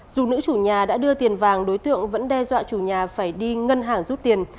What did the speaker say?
dù nữ chủ nhà đã đưa tiền vàng đối tượng vẫn đe dọa chủ nhà phải đi ngân hàng rút tiền